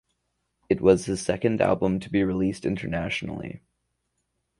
It was his second album to be released internationally.